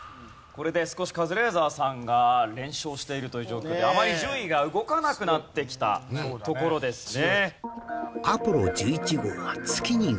これで少しカズレーザーさんが連勝しているという状況であまり順位が動かなくなってきたところですね。